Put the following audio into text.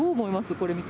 これ見て。